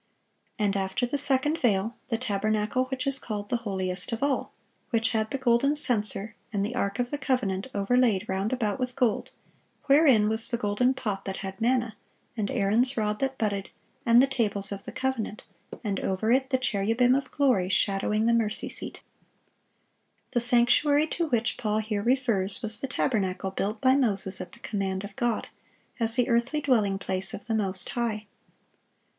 And after the second veil, the tabernacle which is called the holiest of all; which had the golden censer, and the ark of the covenant overlaid round about with gold, wherein was the golden pot that had manna, and Aaron's rod that budded, and the tables of the covenant; and over it the cherubim of glory shadowing the mercy seat."(668) The sanctuary to which Paul here refers was the tabernacle built by Moses at the command of God, as the earthly dwelling place of the Most High.